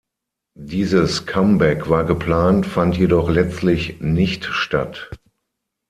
Dieses Comeback war geplant, fand jedoch letztlich nicht statt.